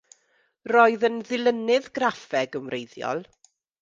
Roedd yn ddylunydd graffeg yn wreiddiol.